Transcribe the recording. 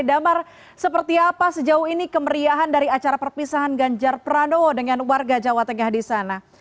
damar seperti apa sejauh ini kemeriahan dari acara perpisahan ganjar pranowo dengan warga jawa tengah di sana